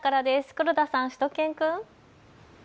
黒田さん、しゅと犬くん。